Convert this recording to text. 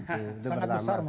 nah itu pertama